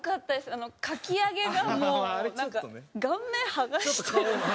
あのかき上げがもうなんか顔面はがしてるみたい。